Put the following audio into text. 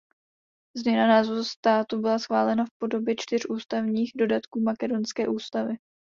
Změna názvu státu byla schválena v podobě čtyř ústavních dodatků makedonské ústavy.